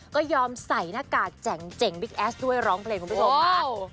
ก็ยอมใส่หน้ากากแจ๋งบิ๊กแอสด้วยร้องเพลงคุณผู้ชมค่ะ